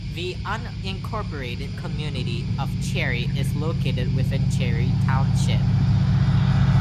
The unincorporated community of Cherry is located within Cherry Township.